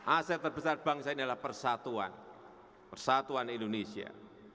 aset terbesar bangsa ini adalah persatuan persatuan indonesia